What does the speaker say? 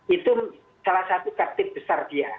itu salah satu kartip besar dia